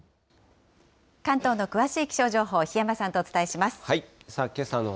関東の詳しい気象情報、檜山さんとお伝えします。